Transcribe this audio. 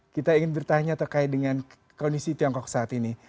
kita ingin bertanya terkait dengan kondisi tiongkok saat ini